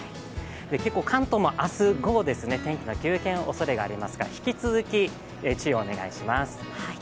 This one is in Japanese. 関東も明日午後、天気の急変おそれがありますから、引き続き注意をお願いします。